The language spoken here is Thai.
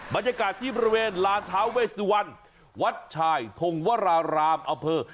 บรรยากาศที่บริเวณลานท้าเวสวันวัดชายทงวรารามอเภอ